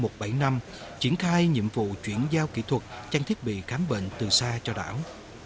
triển khai nhiệm vụ chuyển giao kỹ thuật trang thiết bị khám bệnh từ xa cho đảo